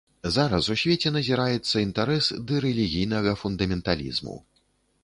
Зараз у свеце назіраецца інтарэс ды рэлігійнага фундаменталізму.